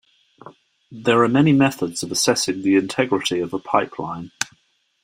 There are many methods of assessing the integrity of a pipeline.